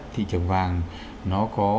thị trường vàng nó có